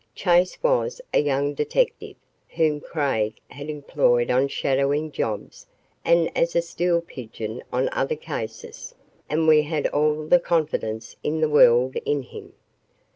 Chase was a young detective whom Craig had employed on shadowing jobs and as a stool pigeon on other cases, and we had all the confidence in the world in him.